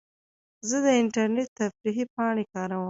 زه د انټرنیټ تفریحي پاڼې کاروم.